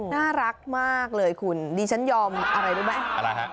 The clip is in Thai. น่ารักมากเลยคุณดิฉันยอมอะไรรู้ไหมอะไรฮะ